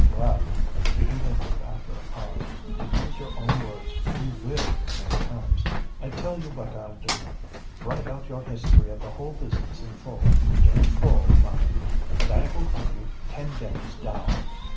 "Well," he continued, after a pause,—"to use your own words, we will make terms. I tell you what I'll do:—write out your history of the whole business in full—in full, mind; and I will give you ten guineas down.